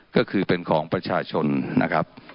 ก็คือเป็นของประชาชนนะครับ